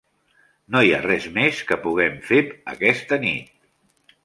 No hi ha res més que puguem fer aquesta nit.